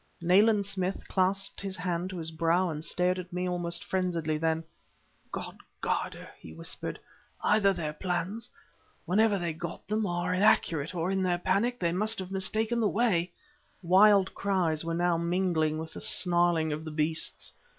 Nayland Smith clapped his hand to his brow and stared at me almost frenziedly, then "God guard her!" he whispered. "Either their plans, wherever they got them, are inaccurate, or in their panic they have mistaken the way." ... Wild cries now were mingling with the snarling of the beasts....